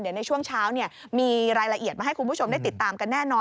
เดี๋ยวในช่วงเช้ามีรายละเอียดมาให้คุณผู้ชมได้ติดตามกันแน่นอน